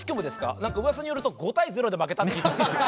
何かうわさによると５対０で負けたって聞いたんですけど。